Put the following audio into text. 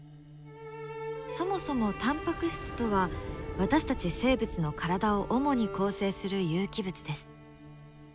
そもそもタンパク質とは私たち生物の体を主に構成する有機物です。